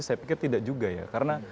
saya pikir tidak juga ya karena